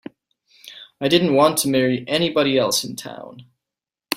I didn't want to marry anybody else in town.